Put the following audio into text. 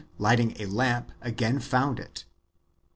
lighting a lamp, again found it.